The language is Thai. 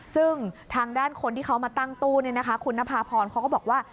ซึ่งทางด้านคนที่เขามาตั้งตู้คุณนภาพรเขาก็บอกว่า